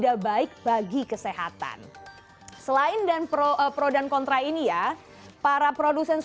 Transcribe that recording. apa yang terjadi